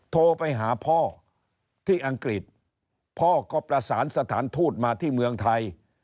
โทรไปหาพ่อที่อังกฤษพ่อก็ประสานสถานทูตมาที่เมืองไทย